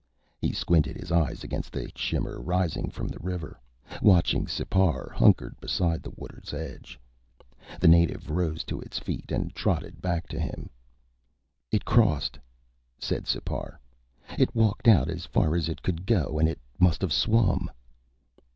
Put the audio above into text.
He squinted his eyes against the heat shimmer rising from the river, watching Sipar hunkered beside the water's edge. The native rose to its feet and trotted back to him. "It crossed," said Sipar. "It walked out as far as it could go and it must have swum."